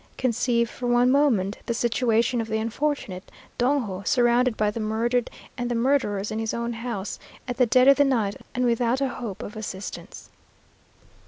Conceive, for one moment, the situation of the unfortunate Dongo, surrounded by the murdered and the murderers in his own house, at the dead of the night, and without a hope of assistance!